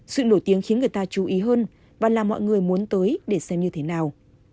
sự nổi tiếng khiến người ta chú ý hơn và là mọi người muốn tới để xem như thế nào